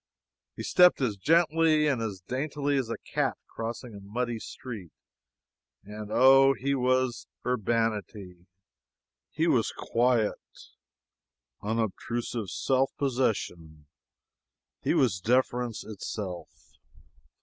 He stepped as gently and as daintily as a cat crossing a muddy street; and oh, he was urbanity; he was quiet, unobtrusive self possession; he was deference itself!